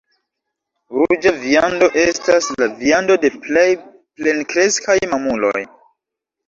Ruĝa viando estas la viando de plej plenkreskaj mamuloj.